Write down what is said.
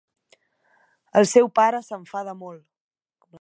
El seu pare s’enfada molt.